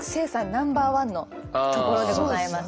ナンバーワンの所でございます。